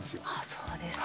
そうですか。